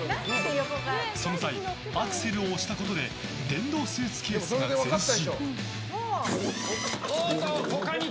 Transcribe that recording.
その際、アクセルを押したことで電動スーツケースが前進。